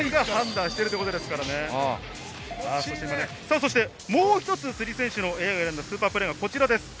そしてもう一つ、辻選手のＡＩが選んだスーパープレーがこちらです。